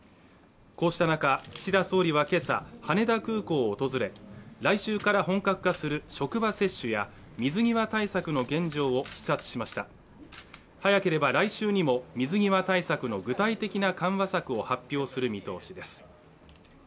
こうした中、岸田総理は今朝羽田空港を訪れ来週から本格化する職場接種や水際対策の現場を視察しました早ければ来週にも水際対策の具体的な緩和策を発表する見通しです